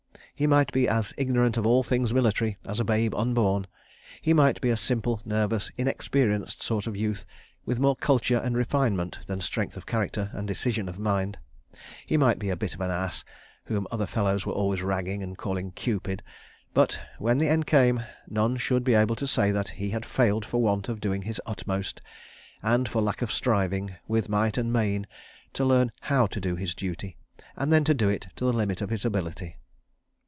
He might be as ignorant of all things military as a babe unborn: he might be a simple, nervous, inexperienced sort of youth with more culture and refinement than strength of character and decision of mind: he might be a bit of an ass, whom other fellows were always ragging and calling "Cupid"—but, when the end came, none should be able to say that he had failed for want of doing his utmost, and for lack of striving, with might and main, to learn how to do his duty, and then to do it to the limit of his ability.